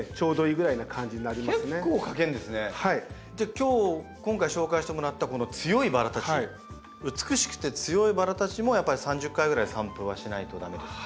今日今回紹介してもらったこの強いバラたち美しくて強いバラたちもやっぱり３０回ぐらい散布はしないと駄目ですか？